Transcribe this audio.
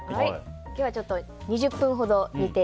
今日はちょっと２０分ほど煮て。